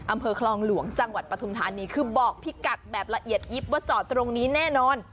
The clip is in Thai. อำเภอคลองหลวงจังหวัดปฐุมธานีคือบอกพี่กัดแบบละเอียดยิบว่าจอดตรงนี้แน่นอน